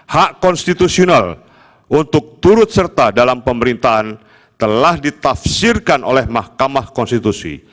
hak konstitusional untuk turut serta dalam pemerintahan telah ditafsirkan oleh mahkamah konstitusi